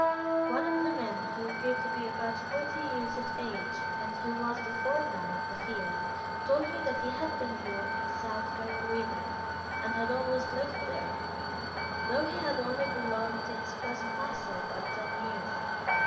One of the men who appeared to be about forty years of age, and who was the foreman of the field, told me that he had been born in South Carolina, and had always lived there, though he had only belonged to his present master about ten years.